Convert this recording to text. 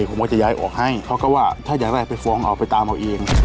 ผมก็จะย้ายออกให้เขาก็ว่าถ้าอยากได้ไปฟ้องเอาไปตามเอาเอง